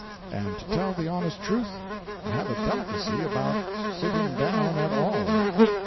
and to tell the honest truth, I have a delicacy about sitting down at all.